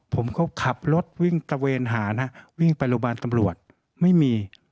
ผมก็ขับรถวิ่งตะเวนหานะวิ่งไปโรงพยาบาลตำรวจไม่มี